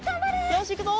よしいくぞ！